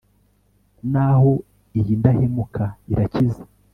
naho iy'indahemuka irakiza